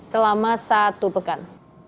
selama satu pekan